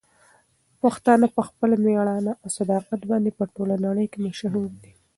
پښتانه په خپل مېړانه او صداقت باندې په ټوله نړۍ کې مشهور دي.